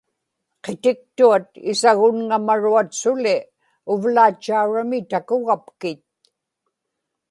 qitiktuat isagunŋamaruat suli uvlaatchaurami takugapkit